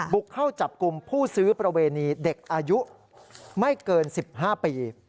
บุกเข้าจับกลุ่มผู้ซื้อประเวณีเด็กอายุไม่เกิน๑๕ปี